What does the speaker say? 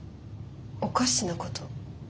おかしなこと？